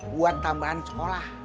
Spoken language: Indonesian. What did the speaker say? buat tambahan sekolah